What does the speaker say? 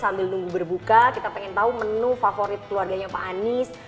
sambil nunggu berbuka kita pengen tahu menu favorit keluarganya pak anies